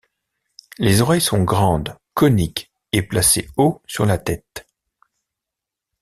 Les oreilles sont grandes, coniques et placées haut sur la tête.